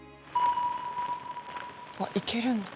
あっ行けるんだ。